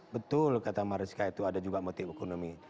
betul kata mariska itu ada juga motif ekonomi